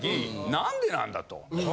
「なんでなんだ？」と。